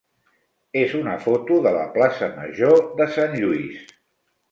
és una foto de la plaça major de Sant Lluís.